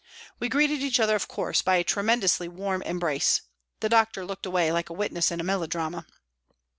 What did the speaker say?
We greeted each other, of course, by a tremendously warm embrace. The doctor looked away like a witness in a melodrama.